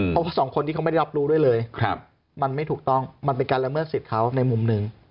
เพราะว่าสองคนที่เขาไม่ได้รับรู้ด้วยเลยมันไม่ถูกต้องมันเป็นการละเมิดสิทธิ์เขาในมุมหนึ่ง